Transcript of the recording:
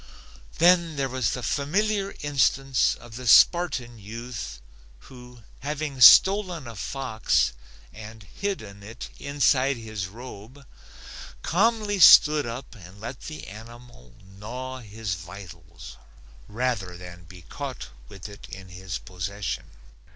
Then there was the familiar instance of the Spartan youth who having stolen a fox and hidden it inside his robe calmly stood up and let the animal gnaw his vitals rather than be caught with it in his possession.